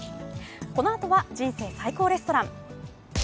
このあとは「人生最高レストラン」。